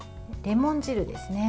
レモン汁ですね。